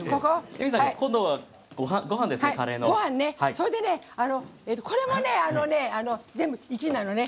それでね、これも、全部１なのね。